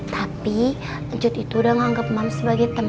tapi njut itu udah nganggep mams sebagai temen